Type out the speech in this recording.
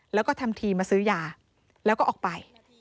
แล้วก็ทำทีมาซื้อยาแล้วก็ออกไป